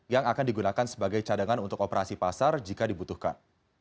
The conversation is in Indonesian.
yang akan digunakan sebagai cadangan untuk operasi pasar jika dibutuhkan